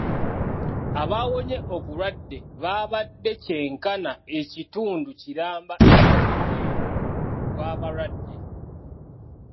Abaawoonye obulwadde baabadde kyenkana ekitundu kiramba eky'omuwendo gw'abalwadde.